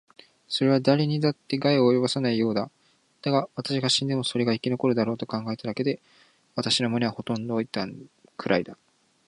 それはだれにだって害は及ぼさないようだ。だが、私が死んでもそれが生き残るだろうと考えただけで、私の胸はほとんど痛むくらいだ。